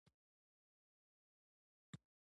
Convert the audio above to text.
یوه افسر زه له شا نه په زور ټېل وهلم